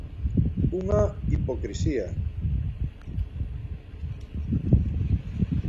¡Unha hipocrisía!